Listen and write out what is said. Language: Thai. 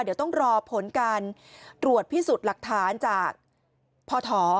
เดี๋ยวต้องรอผลการตรวจพิสูจน์หลักฐานจากพท